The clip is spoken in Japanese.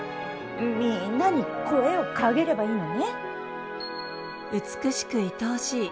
みんなに声をかげればいいのね。